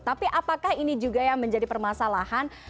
tapi apakah ini juga yang menjadi permasalahan